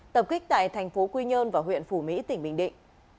tập kích tại tp hcm và huyện phủ mỹ tp hcm